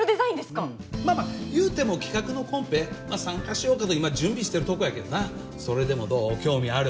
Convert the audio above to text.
うんまあまあ言うても企画のコンペ参加しようと今準備してるとこやけどなそれでもどう興味ある？